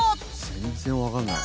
全然わからない。